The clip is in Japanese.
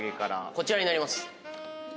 こちらになります。